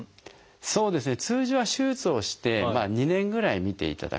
そうですね通常は手術をして２年ぐらい見ていただくんですね。